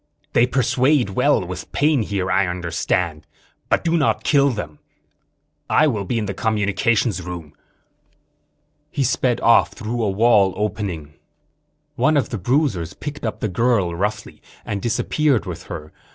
They persuade well with pain here, I understand. But do not kill him. I will be in the communications room." He sped off, through a wall opening. One of the bruisers picked up the girl, roughly, and disappeared with her.